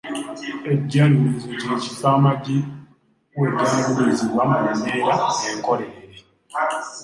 Ejjalulizo kye kifo amagi we gaalulizibwa mu mbeera enkolerere.